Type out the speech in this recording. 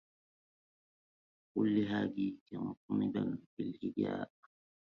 قل لهاجيك مطنبا في الهجاء